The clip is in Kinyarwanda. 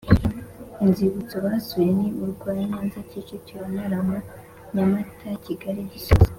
Inzibutso basuye ni urwa Nyanza Kicukiro Ntarama Nyamata Kigali Gisozi